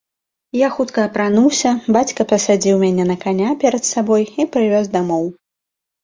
Я хутка апрануўся, бацька пасадзіў мяне на каня перад сабой і прывёз дамоў.